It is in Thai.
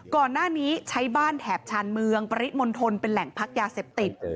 ก่อนหน้านี้ใช้บ้านแถบชานเมืองปริมณฑลเป็นแหล่งพักยาเสพติด